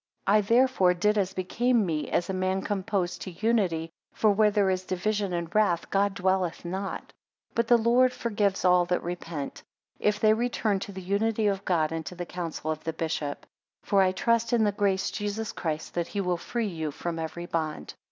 16 I therefore did as became me, as a man composed to unity for where there is division, and wrath, God dwelleth not. 17 But the Lord forgives all that repent, if they return to the unity of God, and to the council of the bishop. 18 For I trust in the grace Jesus Christ that he will free you from every bond.